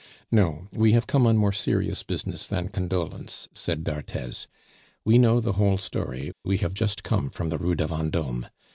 "No; we have come on more serious business than condolence," said d'Arthez; "we know the whole story, we have just come from the Rue de Vendome.